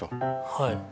はい。